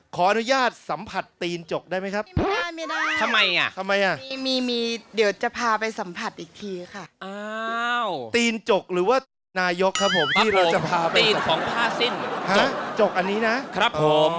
ขออนุญาตสัมผัสเตีนจกได้ไหมครับ